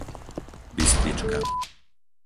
Bystrička